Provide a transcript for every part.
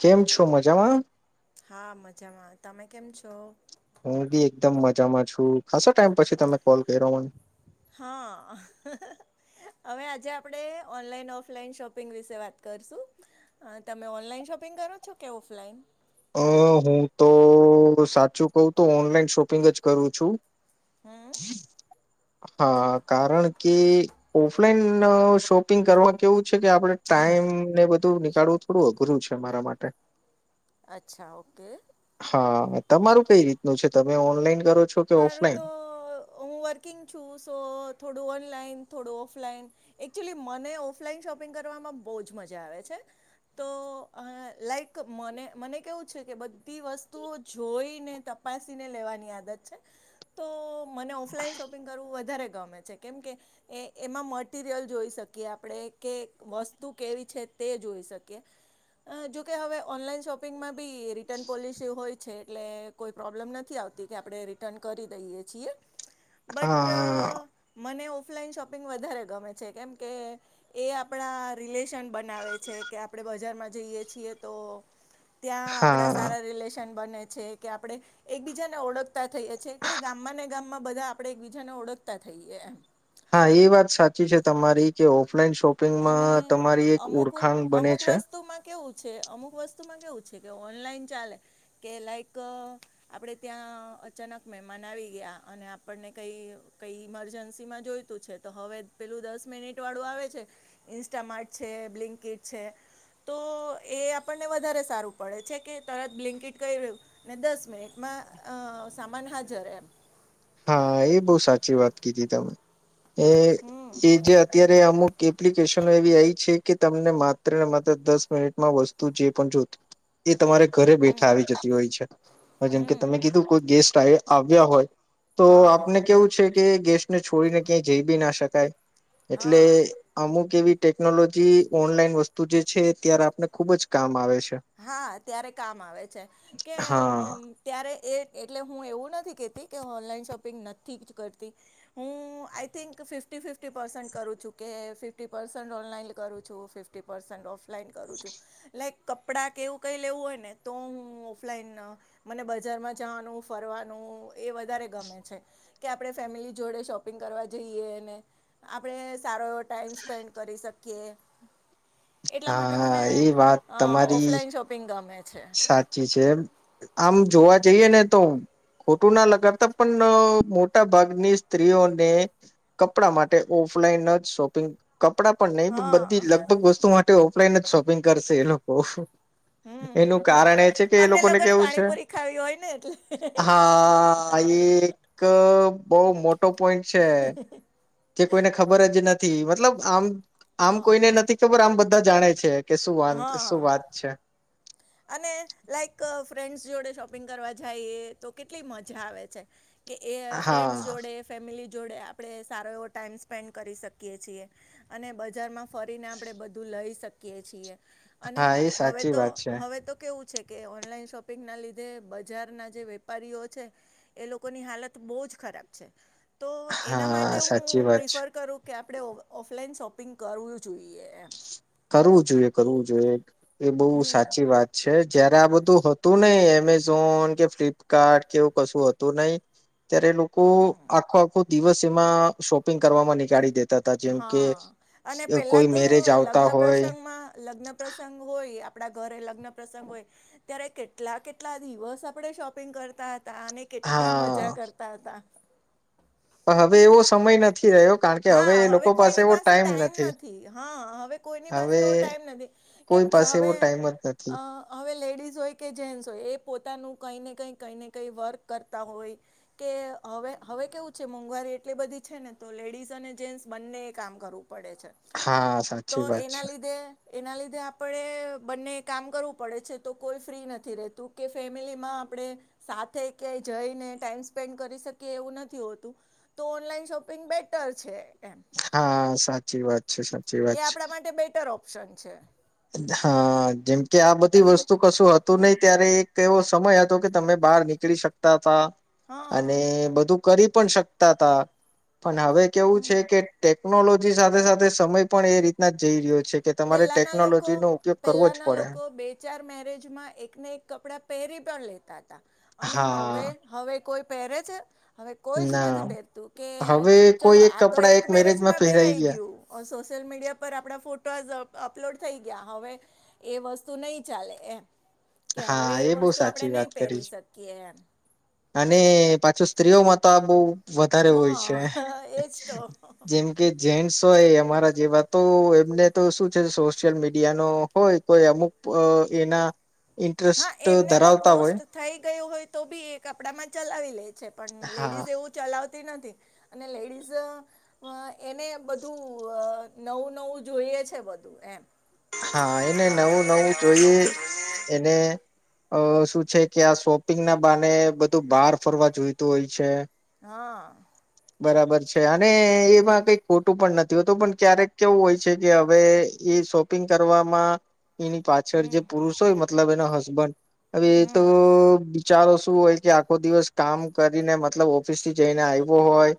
કેમ છો મજામાં? હા મજામાં. તમે કેમ છો? હું બી એકદમ મજામાં છું. ખાસો ટાઈમ પછી તમે કોલ કર્યો મને. હા. હવે આજે આપણેે ઓનલાઈન ઓફલાઈન શોપિંગ વિશે વાત કરશું. તમે ઓનલાઈન શોપિંગ કરો છો કે ઓફલાઈન. અ હું તો સાચું ક તો ઓનલાઈન શોપિંગ જ કરું છું. હમ. હા કારણ કે ઓફલાઈન શોપિંગ કરવા કેવું છે કે આપડે ટાઈમ ને બધું નીકાળવું થોડું અઘરું છે મારા માટે. અચ્છા ઓકે. હા તમારું કઈ રીતનું છે તમે ઓનલાઈન કરો છો કે મારું ઓફલાઈન? તો હું વર્કિંગ છું સો થોડું ઓનલાઈન થોડું ઓનલાઈન એકચુલી મને ઓફલાઈન શોપિંગ કરવામાં બહુ જ મજા આવે છે. તો લાઈક મને મને કેવું છે કે બધી વસ્તુઓ જોઈને ત તપાસને લેવાની આદત છે તો મને ઓફલાન શોપિંગ કરવું વધારે ગમે છે. કેમ કે એ એ એમાં મટિરિયલ જોઈ શકીએ આપડે કે વસ્તુ કેવી છે તે જોઈ શકીએ. અહ જોકે હવે ઓનલાઈન શોપિંગમાં બી રિટર્ન પોલસી હોય છે એટલે કોઈ પ્રોબ્લેમ નથી આવતી કે આપડે રી ટર્ન કરી દઈએ છીએ. બટ હા અહ મને ઓફ લાઈન શોપિંગ વધારે ગમે છે કેમ કે એ આપડા રિલે શન બનાવે છે કે આપડે બજારમાં જઈએ છીએ તો ત્યાં આપડા હા સારા રિલેશન બને છે કે આપડે એકબીજાને ઓળખતા થઈએ છે કે ગામમાં ને ગામમાં બધા આપડે બીજા ને ઓળખતા થઈએ એમ. હા, એ વાત સાચી છે તમારી કે ઓફ લાઈન શોપિંગમાં અને તમારી એક અમુક ઓળખાણ બને અમુક છે. વસ્તુમાં કેવું છે અમુક વસ્તુમાં કેવું છે કે ઓનલાઈન ચાલે કે લાઈક અહ આપડે ત્યાં અચાનક મહેમાન આવી ગયા અને આપણને કંઈ કંઈ ઇમરજન્સીમાં જોઈતું છે તો હવે પેલું દસ મિનિટ વાળું આવે છે ઇન્સ્ટામાર્ટ છે, બ્લિંકીટ છે તો એ આપણને વધારે સારું પડે છે કે તરત બ્લિન્કીટ કરી્યું ને દસ મિનિટમાં આ અહ સામાન હાજર એમ. હા, એ બહુ સાચી વાત કીધી તમે એ હમ એ જે અત્યારે અમુક કે એપ્લિકેશન એ આ છે કે તમને માત્ર ને માત્ર દસ મિનિટમાં વસ્તુ જે પણ જોતી તમારે ઘરે બેઠા હમ આવી જતી હોય છે. અહ જેમકે તમે હમ કીધું કોઈ ગેસ્ટ આએ આવ્યા હોય તો હા આપને કેવું છે કે ગેસ્ટને છોડીને ક્યાંય જઈ બી ના શકાય. એટલે હા અમુક એવી ટેકનોલોજી ઓનલાઈન વસ્તુ જે છે ત્યારે આપને ખુબ જ કામ આવે. છે હા, ત્યારે કામ આવે છે. કે હા અમ્મ ત્યારે એ એટલે હું એવું નથી કેતી કે ઓનલાઈન શોપિંગ નથી જ કરતી. હું I think fifty fifty percent કરું છું કે કે ફિફ્ટી પર્સેન્ટ ઓનલાઈન કરું છું ફિફ્ટી પર્સેન્ટ ઓફલાઈન કરું છું લાઈક કપડાં કે એવું કઈ લેવું હોય ને તો હું ઓફલાઈન અહ મને બજારમાં જવાનું ફરવાનું એ વધારે ગમે છે. કે આપડે ફેમિલી જોડે શોપિંગ કરવા જઈએ અને આપડે સારો એવો ટાઈમ સ્પેન્ડ કરી શક કે હા આ એ વાત તમારી ઓફલાઈન શોપિંગ ગમે છે. સાચી છે એમ. આમ જોવા જઈએ ને તો ખોટું ના લગાડતા પણ અહ મોટા ભાગની સ્ત્રીઓને કપડા માટે ઓ ફલાઈન જ શોપિંગ કપડાં પણ નહી પણ બધી હા. લગભગ વસ્તુ માટે ઓફલાઈન જ શોપિંગ કરશે એ લોકો. એનું હમ્મ. કારણ એ છે કે એ અમને લોકોને કેવું છે પાણીપુરી ખાવી હોય ને એટલે. [unintelligible] એક બહુ મોટો પોઈન્ટ છે, જે કોઈને ખબર જ નથી મતલબ આમ આમ હા. કોઈને નથી ખબર, આમ બધા જાણે છે કે શું વાંધ શું હા. વાત છે. અને લાઈક ફ્રેન્ડસ જોડે શોપિંગ કરવા જાઈએ તો કેટલી મજા આવે છે. કે એ હા ફ્રેન્ડ જોડે ફેમિલી જોડે આપણે સારો એવો ટાઈમ સ્પેન્ડ કરી શકીએ છીએ, અને બજારમાં ફરીને આપણે બધું લઈ શકીએ છીએ. અને હા એ હવે સાચી તો વાત છે. હવે કેવું છે કે ઓનલાઈન શોપિંગ ના લીધે બજારના જે વેપારીઓ છે, એ લોકોની હાલત બ જ ખરાબ છે, તો એના હા માટે સાચી હું વાત છે પ્રિફર કરું કે આપડણે ઓફલાઈન શોપિંગ કરવું જોઈએ એમ. કરવું જોઈએ કરવું જોઈએ, એ બહુ હમ સાચી વાત છે જયારે આ બધું તું નહી એમેઝોન કે ફ્લિપકાર્ટ કેવું કશું હતું નહી. ત્યારે લોકો આખો આખો દિવસ એમાં શોપિંગ કરવામાં નીકાળી દેતા. જેમ કે, હા અને પહેલા કોઈ તો મેરેજ આવ લગ્ન પ્રસંગમાં લગ્ન પ્રસંગ હોય આપડા ઘરે લગ્ન પ્રસંગ હોય. ત્યારે કેટલા કેટલા દિવસ આપણે શોપિંગ કરતા- તને કેટલી મજા હા કરતા હતા. હવે એવો સમય નથી. રહ્યો કારણ કે હા એ લોકો હવે કોઈની એવો પાસે ટાઈમ નથી હા હવે કોઈની પાસે હવે એવો ટાઈમ નથી. કેમ કોઈ કે પાસે એવો હવે ટાઈમ જ નથી હવે લઈ લ હોય કે જે હોય એ પોતાનું કને ક કને કઈ વર્ક કરતા હોય, કે હવે હવે કેવું છે મોંઘવારી એટલી બધી છે ને તો લેડીઝ અને જેન્ટસ બંને એ કામ કરવું પ, હા તો સાચી વાત એના છે લીધે એના લીધે આપણે બંને કામ કરવું પડે છે તો કોઈ ફ્રી નથી રતું કે ફેમિલીમાં આપણે સાથે ક્યાંય જઈને ટમ સ્પેન્ડ કરી શકીએ એવું નથી હોતું, તો ઓનલાઈન શપિંગ બેટર છે. એમ હા સાચી વાત છે સા એ આપણા માટે બેટર ઓપ્શન છે. હા જેમ કે આ બધી અને વસ્તુ કશું હતું હા નહિ ત્યારે તે એવો સમય હતો કે તમે બહાર નીકળી શકતા તા હા અને બધું કરી પણ શકતા તા, પણ હવે કેવું હમ છે કે ટેક નોલોજી સાથે-સાથે સમય પણ એ રીતના જઈ રહ્યો છે કે તમારે ટેક પહેલાંના લોકો પહેલા ના લોકો બે ચાર મેરેજમાં એકને એક કપડા પહેરી પણ લે તા તા. અને હા હવે, હવે કોઈ પહેરે છે! હવે કોઈ જ નથી ના પહેરતું, કે ચલો આ તો એક મેરેજમાં પહેરાઈ ગયું. અહ સોશ લ મિડિયા પર આપણા ફોટ અપલોડ થઈ ગયા, હવે એ વસ્તુ નહીં ચાલે એમ. કે હવે હા એ બહુ વસ્તુ સાચી આપણે વાત નહીં કરી. પહેરી શકીએ એમ અને પાછું સ્ત્રીઓમાં તો બહું વધારે હોય છે. હા એજ તો જેમ કે જેન્ટસ હોય અમારા જેવા, તો એમને તો શું છે સોશિયલ મીડિયા નો હોય કોઈ અમુક પ એના હા. ઇન્ટરેસ્ટ એમને તો ધરાવતા હોય પોસ્ટ થઈ ગયું હોય તો બી એ કપડામાં ચલાવી લેય છે, પણ હા લેડીઝ તેઓ ચલાવ તી નથી. અને લેડીઝ એને બધું અહ નવું-નવું જોઈએ એ છે બધું એમ. હા એને નવું-નવું જોઈએ. એને અહ શું છે કે આ શોપિંગ ના બહાને બધું બહાર ફરવા જોઈતું હોય છે. હા. બરાબર અને એમાં કંઈ ખોટું પણ નથી હોતું, પણ ક્યારેક કેવું હોય છે કે હવે એ શો પિંગ કરવામાં એની પાછળ હમ જે પુરુષ હોય મતલબ એનો હસબન્ડ અવે હમ તો બી ચારો શું હોય કે આખો દિવસ કામ કરીને મતલબ ઓફિસ થી જઈને આવો હોય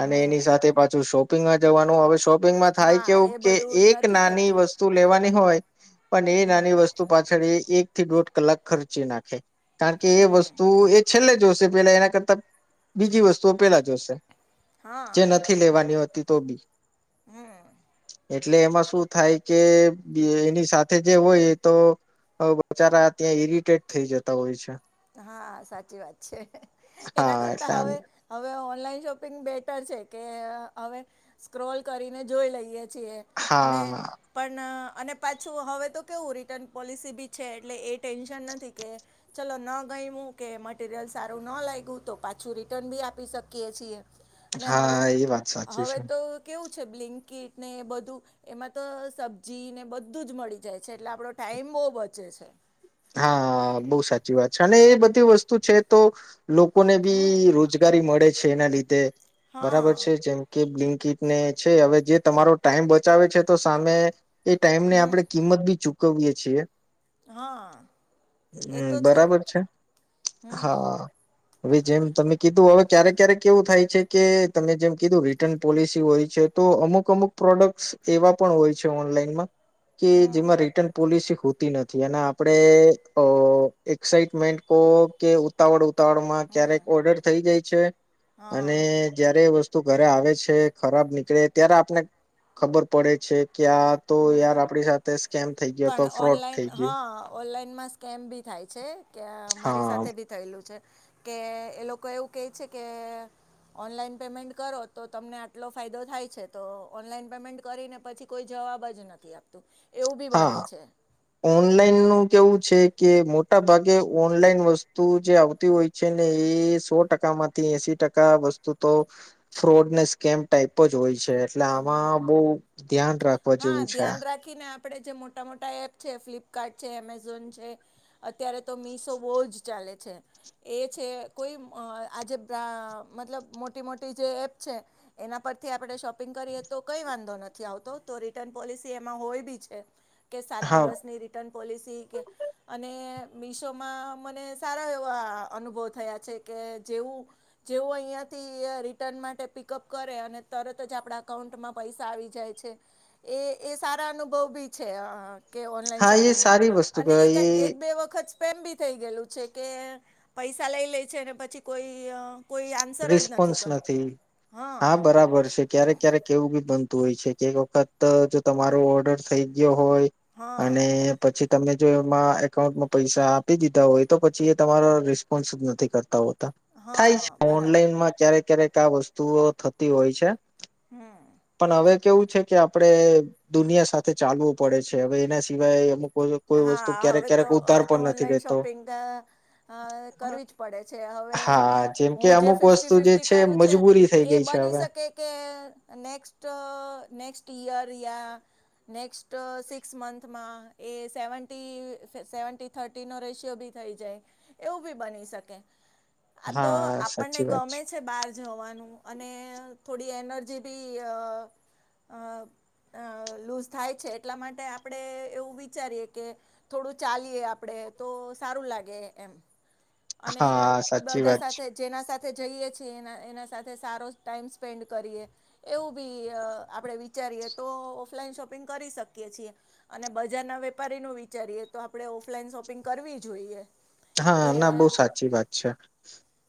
અને હમ એની સાથે પાછું શોપિંગમાં જવાનું હવે શોપ પિંગમાં થાય હા કેવું એ કે બધું એક નથી નાની થતું વસ્તુ લેવાની હોય પણ એ હમ નાની વસ્તુ પાછળ એક થી દોઢ કલાક ખર્ચી નાખે. કારણ કે એ હમ વસ્તુ એ છેલ્લે જોશે પેલા એના કરતા બીજી વસ્તુ એ પેલા જોશે. હા જે નથી લેવાની હોતી તો બી. હમ એટલે એમાં શું થાય કે બે એની સાથે જે હોય એ તો અહ બચારા ત્યાં ઈરિટેટ થઈ જતા હોય છે. હા, સાચી વાત છે. એના હા કરતા એટલે આમ હવે હવે ઓ નલાઈન શોપિંગ બેટર છે કે અહ હવે સ્ક્રોલ કરીને જોઈ લઈએ છીએ અને હા પણ અહ અને પાછું હવે તો કેવું રિટર્ન પોલિસી બી છે એટલે એ ટેન્શન નથી કે ચલો ન ગઈમુ કે મટરિયલ સારું ન લાગ્યું તો પાછું રિટર્ન બી આપી શકીએ છીએ. ને હવે હા એ વાત સાચી હવે છે તો કેવું બ્િટ ને એ બધું એમાં તો સબ્જીને બધું જ મળી જાય છે એટલે આપણો ટાઈમ બહુ બચે છે હા બહુ સાચી વાત છે અને એ બધી વસ્તુ છે તો લોકોને હમ બી રોજગારી મળે છે એના લીધે બરાબર હા છે જેમ કે બં િટને છે હવે જે તમારો ટાઈમ બચાવે છે તો સામે એ ટાઈમ ને હમ આપણે કિંમત બી ચૂક ક ગએ છી હા એ હમ તો બરાબર છે હમ હા હવે જેમ તમે કીધું હવે ક્યારેક ક્યારેક કેવું થાય છે કે તમે જેમ કીધું રિટર્ન પોલિસી હોય છે તો અમુક અમુક પ્રોડક્ટ એવા પણ હોય છે ઓનલાઈનમાં કે હમ જેમાં રિટર્ન પોલિસી હોતી નથી અને આપણે અ એક્સાઈટમેન્ટ કો કે ઉતાવળ ક્યારેક ઓર્ડર થઈ જાય છે અને હા જયારે વસ્ુ તું ઘરે આવે છે ખરાબ નીકળે ત્યારે આપને ખબર પડે છે કે આ તો યાર આપડી સાથે સ્કેમ થઇ ગયો તો પણ ફ્રોડ ઓનલાઈન થઈ ગયયો હા ઓનલાઈનમાં સ્કેમ ભી થાય છે કે મારી હા સાથે ભી થયેલું છે કે એ લોકો એવું કહે છે કે ઓનલાઈન પેમેન્ટ કરો તો તમને આટલો ફાયદો થાય છે તો ઓનલાઈન પેમેન્ટ કરીને પછી કોઈ જવાબ જ નથી આપતું એવું બી બને હા છે ઓનલાઈન નું કેવું છે કે મોટા ભાગે ઓનલાઈન વસ્તુ જે આવતી હોય છે ને એ સો ટકા માંથી એસી ટકા વસ્તુ તો ફ્રોડ ને સ્કેમ ટાઈપ જ હોય છે એટલે આમાં બહ ધ્યાન રાખવા જેવું છે આપણેે જે મોટા મોટા એપ છે ફ્લિપકાર્ટ છે એમેઝોન છે અત્યારે તો મીશો બહુ જ ચાલે કલે છે એ છે કોઈ આજે મતલબ મોટી મોટી જે એપ છે એના પર આપ શોપિંગ કરીએ તો કઈ વાંધો નથી આવતો રિટર્ન પોલિસી એમાં હોય બી છે. કે સાત હા દિવસની રિટર્ન પોલિસી કે અને મીશોમાં મને સારા એવા અનુભવ થયા છે કે જેવું જેવું અહીંયા થી રિટર્ન માટે પિકઅપ કરે અને તરત તો જ આપણા અકાઉન્ટમાં પૈસા આવી જાય છે એ એ સારા અનુભવ બી છે કે ઓનલાઈન હા એ શોપિંગમાં સારી વસ્તુ અને કહેવાય એકા એ એક બે વખત એમ બી થઈ ગયેલું છે કે પૈસા લઈ લે છે ને પછી કોઈ કોઈ આન્સર જ રિસ્પોન્સ કરતું નથી. હા બરાબર છે ક્યારેક ક્યારેક કેવું બી બનતું હોય છે કે એક વખત જો તમારો ઓર્ડર થઈ ગયો હોય હા અને પછી તમે જો એમાં એકાઉન્ટમાં પૈસા આપી દીધા હોય તો પછી એ તમારા રિસ્પોન્સ જ નથી કરતા હોત. હા થાય છે બરાબર ઓનલાઈનમાં ક્યારેક ક્યારેક આ વસ્તુઓ થતી હોય છે. હમ. પણ હવે કેવું છે કે આપડણે દુનિયા સાથે ચાલવું પડે છે હવે એના સિવાય અમુક કોઈ કોઈ વસ્તુ હા ક્યારેક હવે તો ક્યારેક ઉધાર હવે તો પણ નથી ઓનલાઈન લેતો શોપિંગ કરવી જ પડે છે. હવે હા તો જેમ કે હું જે અમુક ફિફ્ટી વસ્તુ જે ફિફ્ટી કરું છે મજબૂરી થઈ એ ગઈ છે બની હવે શકે કે નેક્સ્ટને નેક્સ્ટ ઈયર યા નેક્સ્ટ સિક્સ મંથમાં એ સેવન્ટી સેવન્ટી થર્ટીનો રેશિયો બી થઈ જાય એવું બી બની શકે. આ તો હા આપણને સાચી વાત ગમે છે બાર જવાનું અને થોડી એનર્જી બી અ લૂઝ થાય છે એટલા માટે આપણે એવું વિચારીએ કે થોડું ચાલીએ આપણેે તો સારું લાગે એમ. અને હા સાચી બધા વાત છે સાથે જેના સાથે જઈએ છીએ એના સાથે સારો ટાઈમ સ્પેન્ડ કરીએ એવું બી આપણે વિચાર કરીએ તો ઓફલાઈન શોપિંગ કરી શકીએ છે. અને બજ જાના વેપારીનું વિચારીએ તો આપડે ઓફલાઈન શોપિંગ કરવી જોઈએ. હા કે ના બહુ સાચી વાત છે.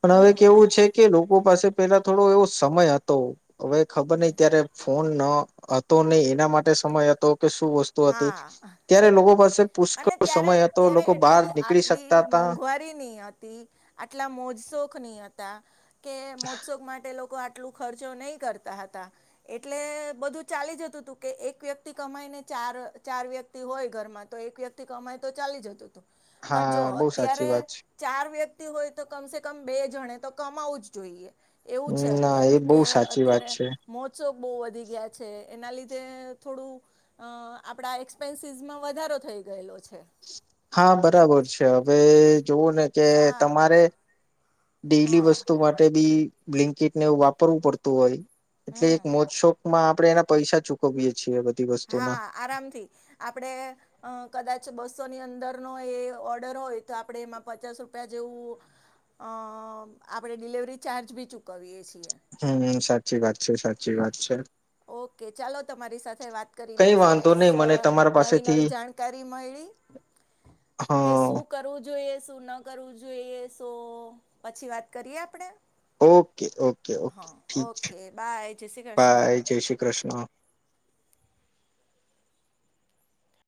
પણ હવે હમ કેવું છે કે લોક બહુ પાસે પેલા થોડો એવો સમય હતો હવે ખબર હમ નહ ત્યારે ફોન ના હતો નહી એના માટે સમય હતો કે શું વસ્તુ હતી હા ત્યારે લોકો પાસે અને પુષ્કળ સમય હતો લોકો બહાર નીકળી શક મોંઘવારી ની હતી આટલા મોજશોખ નહીં હતા. કે મોત્સવ માટે લોકો આ એટલું ખર્ચો નહી કરતા એટલે બધું ચાલી જતું હતું કે એક વ્યક્તિ કમાઈ ને ચાર ચાર ચાર વ્યક્તિ હોય ઘરમાં તો એક વ્યક્તિ કમાય તો ચાલી જતું તું. પણ જો હા બહુ સાચી અત્યારે વાત છે ચાર વ્ય તી હોય તો કમ સે કમ બે જણે તો કમાવું જ જોઈએ. એવું છે ના અત્યારે એ બહુ કે સાચી વાત અત્યારે છે મોસો બહુ વધી ગયા છે એના લીધ તે થોડું અહ આપડા એક્સપેન્સીસમાં વધારો થઈ ગયેલો છે. હા, બરાબર છે હવે જોવું ને કે સા તમારે ડેલી હા વસ્તુ માટે બી બ્લિન્કીટ ને એવું વાપરવું પડતું હોય. એટલે હમ એક મોજશોક માં આપડે એના પૈસા ચુકવીયે છીએ બ હા, આરામથી આપડે અહ કદાચ બસો ની અંદર નો એ ઓર્ડર હોય તો આપડે એમાં પચાસ રૂપિયા જેવું અહ આપડે ડિલિવરી ચાર્જ ભી ચુકવીય છીએ. હમ્મ સાચી વાત છે સાચી વાત છે. ઓકે ચાલો તમારી સાથે વાત કરીને કઈ વાંધો સરસ નહી મને અહ તમારા નવી પાસેથી નવી જાણકારી મઈળી. તી કે હા શું કરવું જોઈએ શું ન કરવું જોઈએસ. તો પછી વાત કરીએ આપડે. ઓકે ઓકે ઓકે ઠીક છે. ઓકે બાય જય શ્રી કૃષ્ણ બાય જય શ્રી કૃષ્ણ.